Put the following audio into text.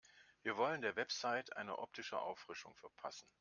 Wir wollen der Website eine optische Auffrischung verpassen.